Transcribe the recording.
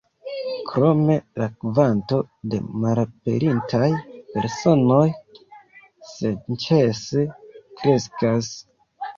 Krome la kvanto de malaperintaj personoj senĉese kreskas.